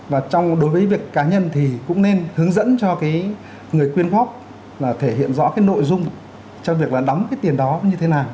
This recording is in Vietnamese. và đối với việc cá nhân thì cũng nên hướng dẫn cho cái người quyên góp là thể hiện rõ cái nội dung cho việc là đóng cái tiền đó như thế nào